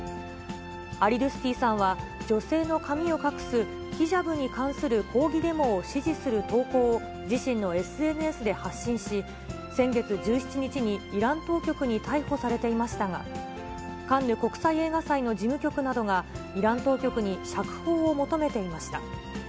アリドゥスティさんは、女性の髪を隠すヒジャブに関する抗議デモを支持する投稿を自身のＳＮＳで発信し、先月１７日にイラン当局に逮捕されていましたが、カンヌ国際映画祭の事務局などが、イラン当局に釈放を求めていました。